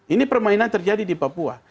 ini permainan terjadi di papua